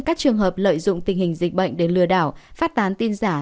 các trường hợp lợi dụng tình hình dịch bệnh để lừa đảo phát tán tin giả